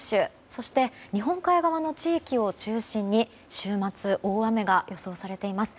そして、日本海側の地域を中心に週末、大雨が予想されています。